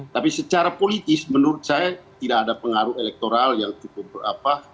tapi secara politis menurut saya tidak ada pengaruh elektoral yang cukup apa